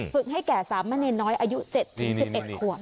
ฝึกให้แก่สามแม่นน้อยอายุ๗๑๑ขวด